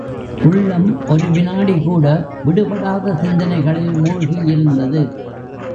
உள்ளம் ஒரு விநாடிகூட விடுபடாத சிந்தனைகளில் மூழ்கியிருந்தது.